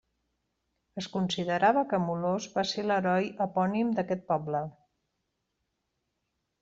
Es considerava que Molós va ser l'heroi epònim d'aquest poble.